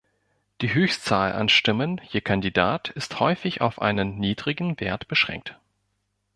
Die Höchstzahl an Stimmen je Kandidat ist häufig auf einen niedrigen Wert beschränkt.